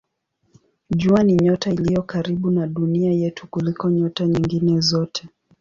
Jua ni nyota iliyo karibu na Dunia yetu kuliko nyota nyingine zote.